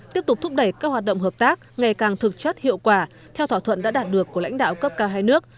tiếp tục thúc đẩy các hoạt động hợp tác ngày càng thực chất hiệu quả theo thỏa thuận đã đạt được của lãnh đạo cấp cao hai nước